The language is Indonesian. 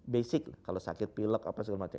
basic kalau sakit pilek segala macam